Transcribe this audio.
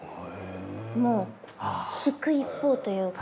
もう引く一方というか。